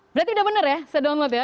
berarti udah bener ya saya download ya